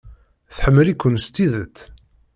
Tḥemmel-iken s tidet.